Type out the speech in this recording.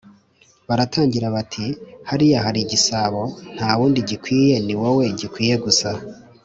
baratangira bati: “hariya hari igisabo nta wundi gikwiye, ni wowe gikwiye gusa,